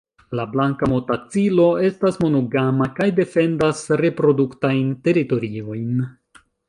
La Blanka motacilo estas monogama kaj defendas reproduktajn teritoriojn.